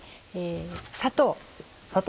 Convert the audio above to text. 砂糖。